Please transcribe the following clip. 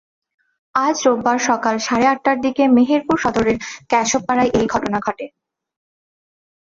আজ রোববার সকাল সাড়ে আটটার দিকে মেহেরপুর সদরের ক্যাসবপাড়ায় এই ঘটনা ঘটে।